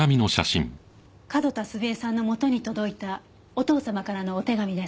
角田澄江さんのもとに届いたお父様からのお手紙です。